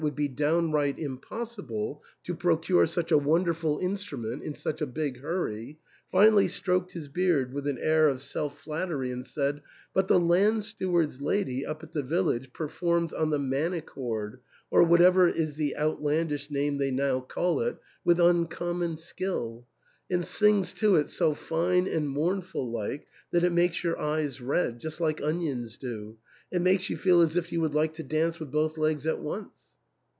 would be downnght impossible to procure sucn a won derful instrument in such a big hurry, finally stroked his beard with an air of self flattery and said, '' But the land steward's lady up at the village performs on the manichord, or whatever, is the outlandish name they now call it, with uncommon skill, and sings to it so fine and mournful like that it makes your eyes red, just like onions do, and makes you feel as if you would like to dance with both legs at once."